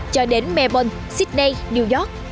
cho đến melbourne sydney new york